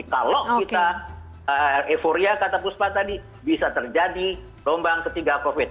kalau kita euforia kata puspa tadi bisa terjadi gelombang ketiga covid